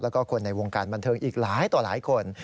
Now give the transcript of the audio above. แล้วก็คนในวงการบันเทิงอีกหลายต่อหลายคน